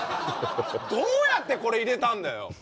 どうやってこれ入れたんだよ